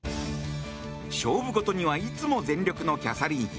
勝負事にはいつも全力のキャサリン妃。